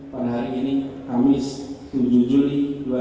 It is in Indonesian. pada hari ini kamis tujuh juli dua ribu dua puluh